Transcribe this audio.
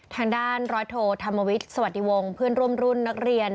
ทางด้านร้อยโทธรรมวิทย์สวัสดีวงศ์เพื่อนร่วมรุ่นนักเรียน